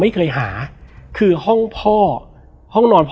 แล้วสักครั้งหนึ่งเขารู้สึกอึดอัดที่หน้าอก